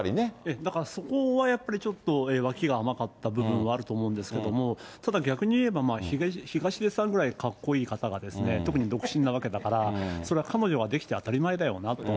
だからそこはやっぱりちょっとわきが甘かった部分はあると思うんですけれども、ただ逆にいえば、東出さんぐらいかっこいい方がですね、特に独身なわけだから、そりゃ、彼女が出来て当たり前だよなと。